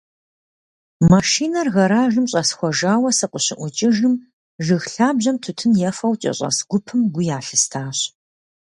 Машинэр гэражым щӏэсхуэжауэ сыкъыщыӏукӏыжым, жыг лъабжьэм тутын ефэу кӏэщӏэс гупым гу ялъыстащ.